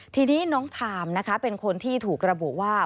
ทีนี้น้องทามนะคะเป็นคนที่ถูกระบุว่า